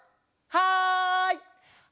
はい。